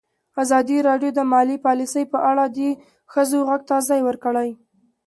ازادي راډیو د مالي پالیسي په اړه د ښځو غږ ته ځای ورکړی.